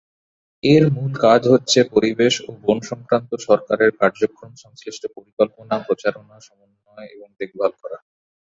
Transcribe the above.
এর মূল কাজ হচ্ছে পরিবেশ ও বন সংক্রান্ত সরকারের কার্যক্রম সংশ্লিষ্ট পরিকল্পনা, প্রচারণা, সমন্বয় এবং দেখভাল করা।